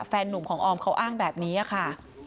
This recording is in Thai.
แฟนนุ่มของออมเขาอ้างแบบนี้ค่ะ